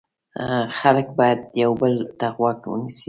خلک باید یو بل ته غوږ ونیسي.